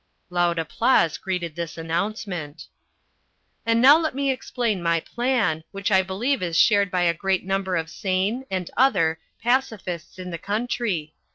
Loud applause greeted this announcement. "And now let me explain my plan, which I believe is shared by a great number of sane, and other, pacifists in the country.